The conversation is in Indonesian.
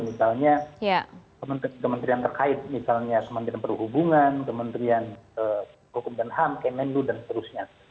misalnya kementerian terkait misalnya kementerian perhubungan kementerian hukum dan ham kemenlu dan seterusnya